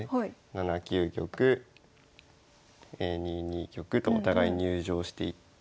７九玉２二玉とお互い入城していって。